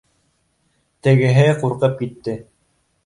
Тегеһе ҡурҡып китте: